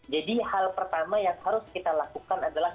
jadi hal pertama yang harus kita lakukan adalah